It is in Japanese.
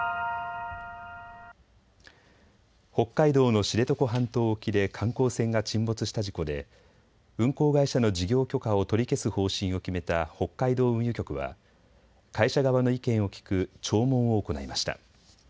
北海道の知床半島沖で観光船が沈没した事故で運航会社の事業許可を取り消す方針を決めた北海道運輸局は会社側の意見を聞く聴聞を行いました。